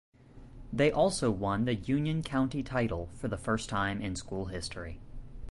They also won the Union County Title for the first time in school history.